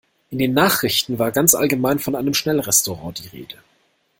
In den Nachrichten war ganz allgemein von einem Schnellrestaurant die Rede.